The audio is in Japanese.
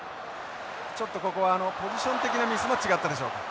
ちょっとここはポジション的なミスマッチがあったでしょうか。